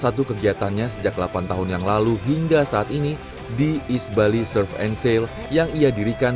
satu kegiatannya sejak delapan tahun yang lalu hingga saat ini di east bali surf and sale yang ia dirikan